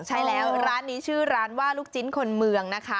ใช่แล้วร้านนี้ชื่อร้านว่าลูกชิ้นคนเมืองนะคะ